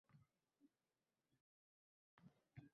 O’zni qumga ko’mganman.